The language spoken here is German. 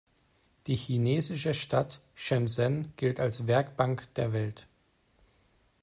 Die chinesische Stadt Shenzhen gilt als „Werkbank der Welt“.